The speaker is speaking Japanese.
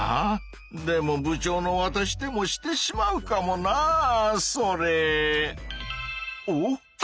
でも部長のわたしでもしてしまうかもなそれ！